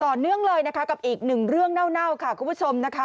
เนื่องเลยนะคะกับอีกหนึ่งเรื่องเน่าค่ะคุณผู้ชมนะคะ